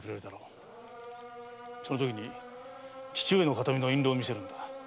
そのときに父上の形見の印籠を見せるんだ。